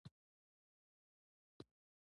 یو باتور ملت غر قیږی، یو مضبوط وطن نړیږی